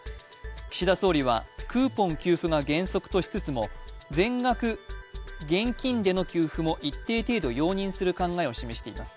岸田総理はクーポン給付が原則としつつも全額現金での給付も一定程度容認する考えを示しています。